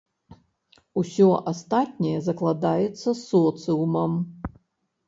Усё астатняе закладаецца соцыумам.